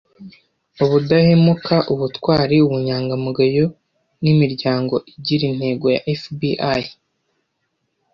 Ubudahemuka Ubutwari Ubunyangamugayo nimiryango igira intego ya FBI